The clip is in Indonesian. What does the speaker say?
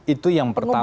itu yang pertama